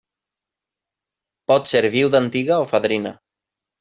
Pot ser viuda antiga o fadrina.